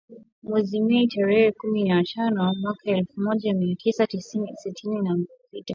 Mwezi Mei, tarehe kumi na tano, mwaka elfu moja mia tisa sitini na sita, ndipo matangazo hayo yaliongezewa dakika nyingine thelathini.